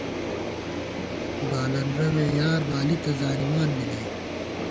بالَن رَوے یار بالی تہ زانِمان بی نئ